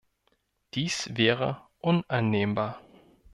Dies wäre unannehmbar.